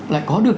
lại có được